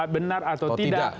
benar atau tidak